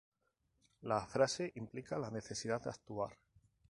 La frase implica la necesidad de actuar.